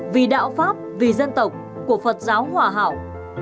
vì đạo pháp vì dân tộc của phật giáo hòa hảo